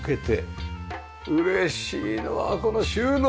嬉しいのはこの収納！